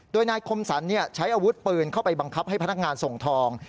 โดยนายคมสรรใช้อาวุธปืนเข้าไปบังคับให้พนักงานส่งทอง